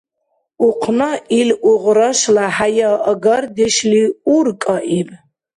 Ухъна ил угърашла хӀяяагардешли уркӀаиб.